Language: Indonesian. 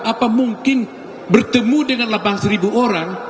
apa mungkin bertemu dengan delapan seribu orang